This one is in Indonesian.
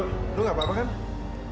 berani beraninya kamu ambil kesempatan